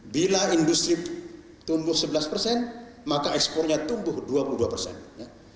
bila industri tumbuh sebelas persen maka ekspornya tumbuh dua puluh dua persen